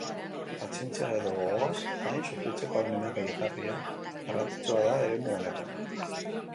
Pazientzia eta gogoaz gain sufritzeko ahalmena gehigarria garrantzisua da eremu honetan.